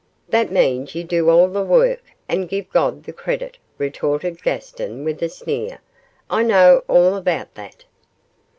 'That means you do all the work and give God the credit,' retorted Gaston, with a sneer; 'I know all about that.